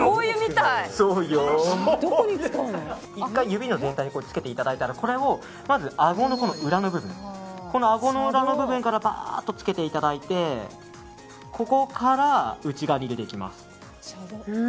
指の全体につけていただいたらこれをまずあごの裏の部分からバーッとつけていただいてここから、内側に入れていきます。